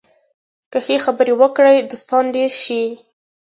که ښه خبرې وکړې، دوستان ډېر شي